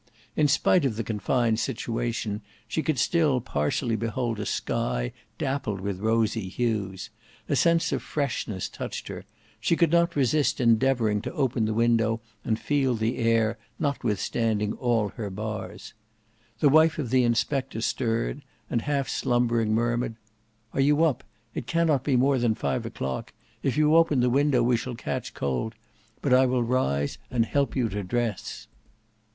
In spite of the confined situation, she could still partially behold a sky dappled with rosy hues; a sense of freshness touched her: she could not resist endeavouring to open the window and feel the air, notwithstanding all her bars. The wife of the inspector stirred, and half slumbering, murmured, "Are you up? It cannot be more than five o'clock. If you open the window we shall catch cold; but I will rise and help you to dress."